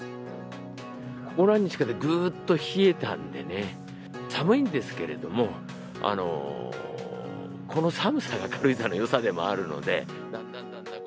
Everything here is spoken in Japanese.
ここ何日かで、ぐーっと冷えたんでね、寒いんですけれども、この寒さが軽井沢のよさでもあるので。